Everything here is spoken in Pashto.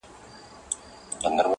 نو په ما به یې تعویذ ولي لیکلای -